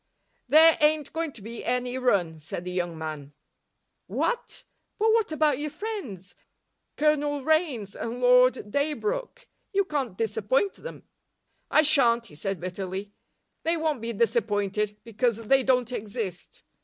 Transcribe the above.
"There ain't going to be any run," said the young man. "What? But what about your friends Colonel Raynes and Lord Daybrooke? You can't disappoint them." "I shan't," he said bitterly. "They won't be disappointed, because they don't exist.